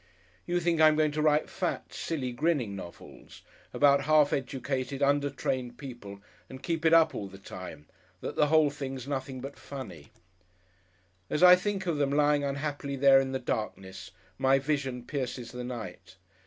You think I'm going to write fat, silly, grinning novels about half educated, under trained people and keep it up all the time, that the whole thing's nothing but funny! As I think of them lying unhappily there in the darkness, my vision pierces the night.